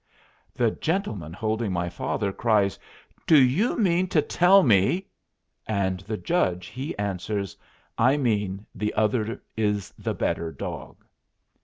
The gentleman holding my father cries: "Do you mean to tell me " And the judge he answers, "I mean the other is the better dog."